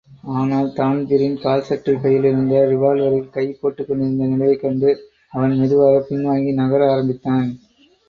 ஆனால் தான்பிரீன் கால்சட்டைப் பையிலிருந்த ரிவால்வரில் கை போட்டுக்கொண்டிருந்த நிலையைக் கண்டு, அவன் மெதுவாகப் பின்வாங்கி நகர ஆரம்பித்தான்.